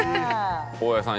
大江さん